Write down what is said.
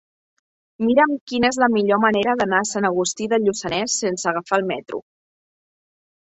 Mira'm quina és la millor manera d'anar a Sant Agustí de Lluçanès sense agafar el metro.